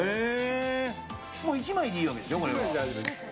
１枚でいいわけでしょ。